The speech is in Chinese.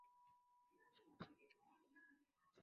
出生在肯塔基州。